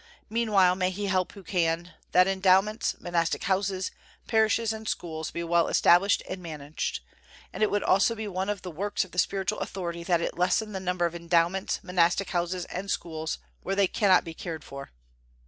Meanwhile may he help who can, that endowments, monastic houses, parishes and schools be well established and managed; and it would also be one of the works of the spiritual authority that it lessen the number of endowments, monastic houses and schools, where they cannot be cared for.